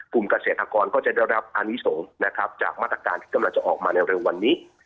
กลุ่มเกษตรกรก็จะได้รับอนิสงฆ์นะครับจากมาตรการที่กำลังจะออกมาในเร็ววันนี้